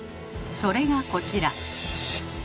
それがこちら。